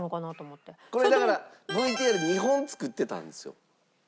これだからＶＴＲ２本作ってたんですよ。